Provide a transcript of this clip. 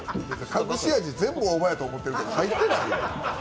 隠し味、全部大葉やと思ってるけど、入ってないやろ。